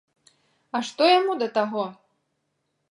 А што яму да таго!